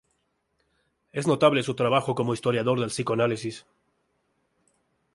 Es notable su trabajo como historiador del psicoanálisis.